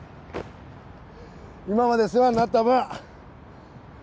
今まで世話になった分！